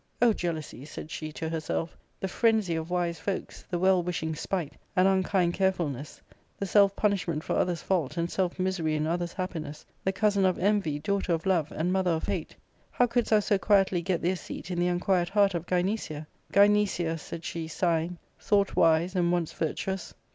" O jealousy," said she to herselfj " the frenzy of wise folks, the well wishing spite, and unkind carefulness, the self punishment for other's fault and self misery in other's happiness, the cousin of envy, daughter of love, and mother of hate, how couldest thou so quietly get thee a seat in the unquiet heart of Gynecia ?— Gynecia," said she, sighing, " thought wise, and once virtuous.